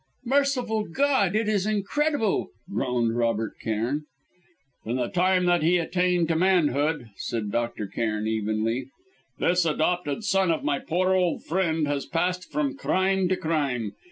"Merciful God! it is incredible," groaned Robert Cairn. "From the time that he attained to manhood," said Dr. Cairn evenly, "this adopted son of my poor old friend has passed from crime to crime.